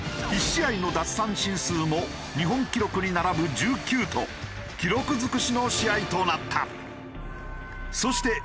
１試合の奪三振数も日本記録に並ぶ１９と記録尽くしの試合となった。